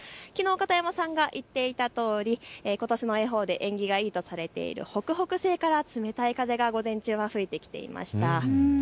きのう片山さんが言っていたとおりことしの恵方で縁起がいいとされている北北西から冷たい風が午前中は吹いてきていました。